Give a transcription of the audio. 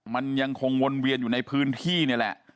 มันยังคงวนเวียนอยู่ในพื้นที่นี่แหละ